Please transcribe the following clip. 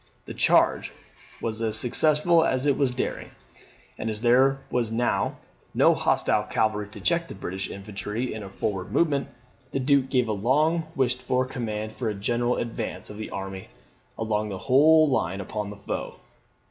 The charge was as successful as it was daring: and as there was now no hostile cavalry to check the British infantry in a forward movement, the Duke gave the long wished for command for a general advance of the army along the whole line upon the foe.